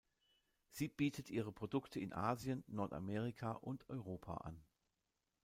Sie bietet ihre Produkte in Asien, Nordamerika und Europa an.